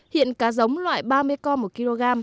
hiện cá giống loại ba mươi con một kg